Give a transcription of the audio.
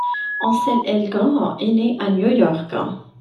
Ansel Elgort est né à New York.